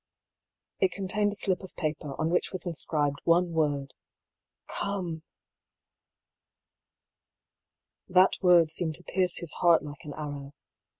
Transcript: It contained a slip of paper, on which was inscribed one word — ^'Conie! " That word seemed to pierce his heart like an arrow.